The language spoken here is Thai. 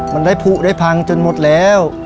มันได้ผู้ได้พังจนหมดแล้ว